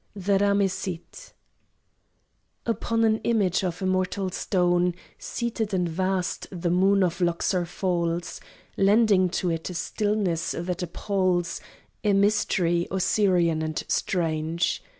THE RAMESSID Upon an image of immortal stone, Seated and vast, the moon of Luxor falls, Lending to it a stillness that appals, A mystery Osirian and strange.